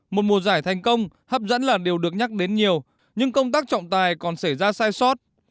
một mùa giải thành công hấp dẫn là điều được nhắc đến nhiều nhưng công tác trọng tài còn xảy ra sai sót